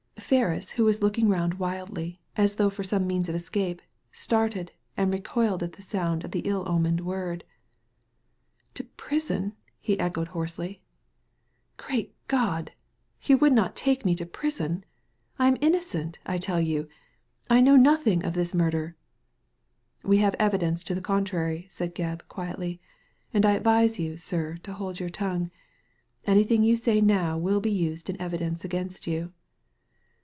Ferris, who was looking round wildly, as though for some means of escape, started and recoiled at the sound of the ill omened word. " To prison !" he echoed hoarsely. *• Great God I you would not take me to prison. I am innocent, I tell you. I know nothing of this murder." We have evidence to the contrary," said Gebb, quietly ;" and I advise you, sir, to hold your tongue. Anything you say now will be used in evidence against you."